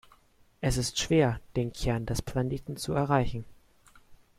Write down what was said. Es ist schwer, den Kern des Planeten zu erreichen.